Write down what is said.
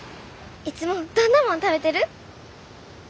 いつもどんなもの食べてる？